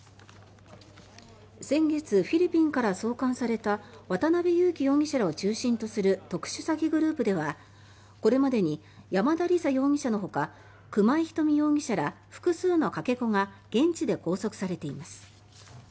先月、フィリピンから送還された渡邉優樹容疑者らを中心とする特殊詐欺グループではこれまでに山田李沙容疑者のほか熊井ひとみ容疑者ら複数のかけ子が現地で拘束されています。